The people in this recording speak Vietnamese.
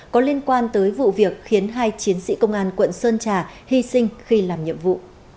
có liên quan tới vụ việc khiến hai chiến sĩ công an quận sơn trà hy sinh khi làm nhiệm vụ